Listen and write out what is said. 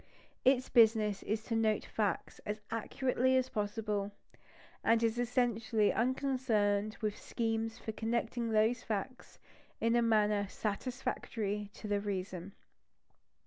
Its business is to note facts as accurately as possible; and it is essentially unconcerned with schemes for connecting those facts in a manner satisfactory to the reason.